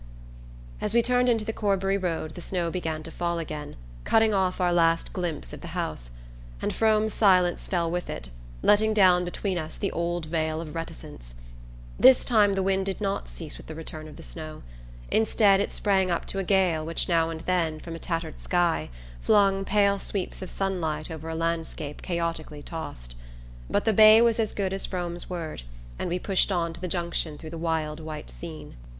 As we turned into the Corbury road the snow began to fall again, cutting off our last glimpse of the house; and Frome's silence fell with it, letting down between us the old veil of reticence. This time the wind did not cease with the return of the snow. Instead, it sprang up to a gale which now and then, from a tattered sky, flung pale sweeps of sunlight over a landscape chaotically tossed. But the bay was as good as Frome's word, and we pushed on to the Junction through the wild white scene.